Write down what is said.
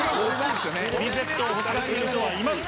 ミゼットを欲しがってる人はいます。